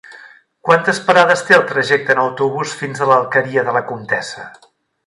Quantes parades té el trajecte en autobús fins a l'Alqueria de la Comtessa?